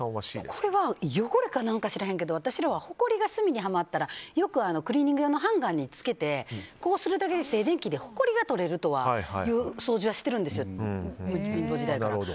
これは汚れか何か知らへんけど私らは、ほこりが隅にはまったらよくクリーニング屋のハンガーにつけてこうするだけで静電気でほこりが取れるという掃除はしてるんですよ、貧乏時代から。